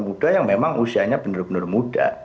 muda yang memang usianya benar benar muda